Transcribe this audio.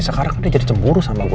sekarang dia jadi cemburu sama gue